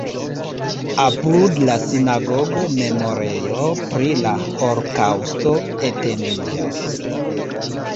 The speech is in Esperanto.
Apud la sinagogo memorejo pri la holokaŭsto etendiĝas.